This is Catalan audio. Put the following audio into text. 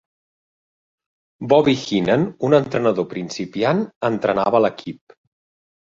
Bobby Heenan, un entrenador principiant, entrenava l'equip.